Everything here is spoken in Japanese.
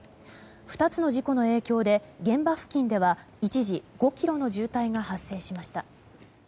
２つの事故の影響で現場付近では一時５ｋｍの渋滞が発生しました。